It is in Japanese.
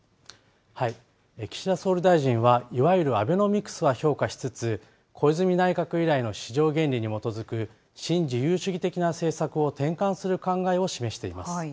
岸田総理大臣は、いわゆるアベノミクスは評価しつつ、小泉内閣以来の市場原理に基づく新自由主義的な政策を転換する考えを示しています。